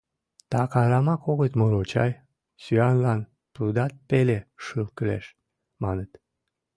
Так арамак огыт муро чай: «Сӱанлан пудат пеле шыл кӱлеш», — маныт.